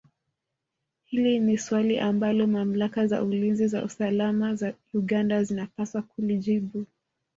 Hili ni swali ambalo mamlaka za ulinzi na usalama za Uganda zinapaswa kulijibu